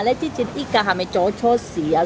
sebelumnya ika ada berusaha